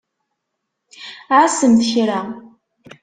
Ɛasemt kra!